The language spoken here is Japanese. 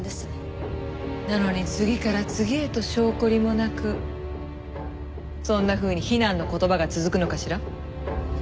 なのに次から次へと性懲りもなくそんなふうに非難の言葉が続くのかしら？